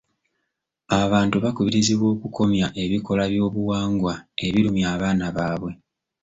Abantu bakubirizibwa okukomya ebikolwa byobuwangwa ebirumya abaana baabwe.